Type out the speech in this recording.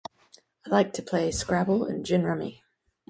I Like to play Scrabble and Gin Rummy.